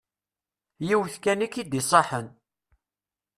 Yiwet kan i k-id-iṣaḥen.